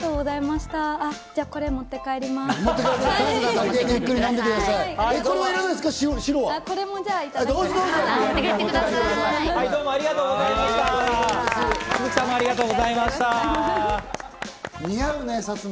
じゃあこれ持って帰ります。